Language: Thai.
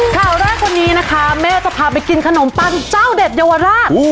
ข่าวแรกวันนี้นะคะแม่จะพาไปกินขนมปังเจ้าเด็ดเยาวราช